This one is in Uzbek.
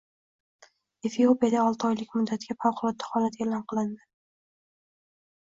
Efiopiyada olti oylik muddatga favqulodda holat e’lon qilindi